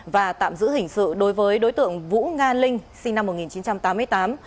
và tạm giữ hình sự đối với đối tượng vũ nga linh sinh năm một nghìn chín trăm tám mươi tám